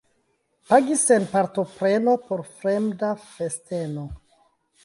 Pagi sen partopreno por fremda festeno.